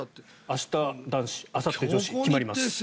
明日、男子あさって女子、決まります。